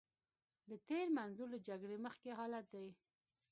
له تېر منظور له جګړې مخکې حالت دی.